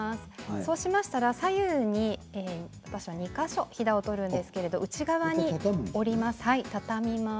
そうしましたら左右に２か所ひだを取るんですけど内側に折ります。